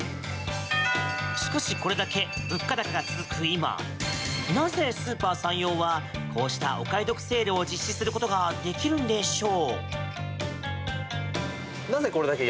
しかしこれだけ物価高が続く今なぜ、スーパーさんようはこうしたお買い得セールを実施することができるんでしょう？